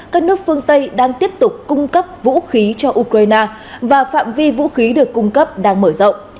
các nước phương tây đang tiếp tục cung cấp vũ khí cho ukraine và phạm vi vũ khí được cung cấp đang mở rộng